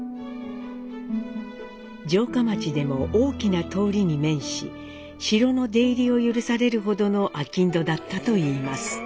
城下町でも大きな通りに面し城の出入りを許されるほどの商人だったといいます。